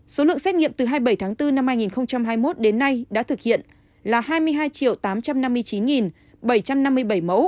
số lượng xét nghiệm từ hai mươi bảy tháng bốn năm hai nghìn hai mươi một đến nay đã thực hiện là hai mươi hai tám trăm năm mươi chín bảy trăm năm mươi bảy mẫu